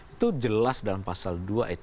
itu jelas dalam pasal dua ayat tiga